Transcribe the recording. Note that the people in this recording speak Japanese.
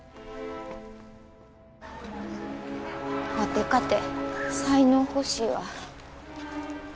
ワテかて才能欲しいわ。